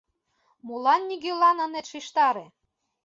— Молан нигӧлан ынет шижтаре?